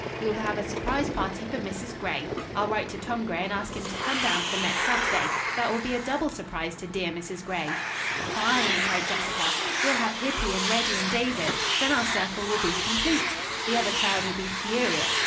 We will have a surprise party for Mrs. Gray. I'll write to Tom Gray and ask him to come down for next Saturday. That will be a double surprise to dear Mrs. Gray." "Fine!" cried Jessica. "We'll have Hippy and Reddy and David. Then our circle will be complete. The other crowd will be furious.